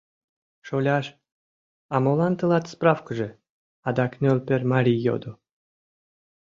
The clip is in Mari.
— Шоляш, а молан тылат справкыже? — адак Нӧлпер марий йодо.